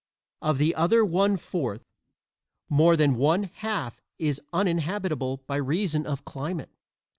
Of the other one fourth more than one half is uninhabitable by reason of climate.